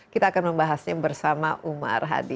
kita akan membahasnya bersama umar hadi